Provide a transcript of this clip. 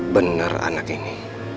bener anak ini